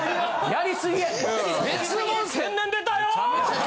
やりすぎや！